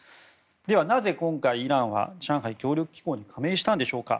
では、なぜ今回イランは上海協力機構に加盟したんでしょうか。